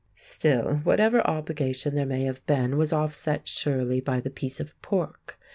Still, whatever obligation there may have been was offset, surely, by the piece of pork.